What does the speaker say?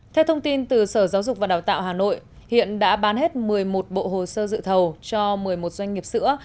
theo thông tin từ sở giáo dục và đào tạo hà nội hiện đã bán hết một mươi một bộ hồ sơ dự thầu cho một mươi một doanh nghiệp sữa